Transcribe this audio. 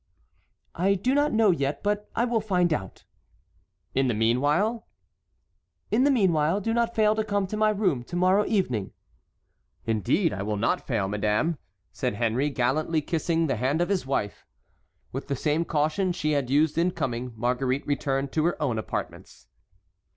"I do not know yet; but I will find out." "In the meanwhile?" "In the meanwhile do not fail to come to my room to morrow evening." "Indeed I will not fail, madame!" said Henry, gallantly kissing the hand of his wife. With the same caution she had used in coming Marguerite returned to her own apartments.